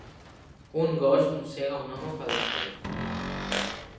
Un gos mossega un home pel darrere.